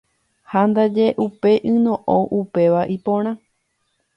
Ha ndaje upe yno'õ upéva ipóra.